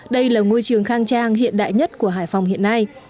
đây là ngôi trường khang trang hiện đại nhất của hải phòng hiện nay